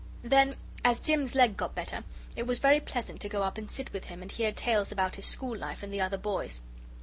Then as Jim's leg got better it was very pleasant to go up and sit with him and hear tales about his school life and the other boys.